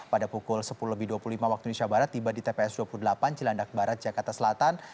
pada pukul sepuluh lebih dua puluh lima waktu indonesia barat tiba di tps dua puluh delapan cilandak barat jakarta selatan